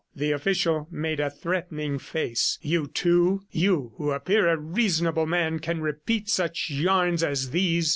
The official made a threatening face. "You, too? ... You, who appear a reasonable man, can repeat such yarns as these?"